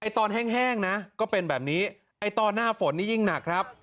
ตอนแห้งนะก็เป็นแบบนี้ไอ้ตอนหน้าฝนนี่ยิ่งหนักครับ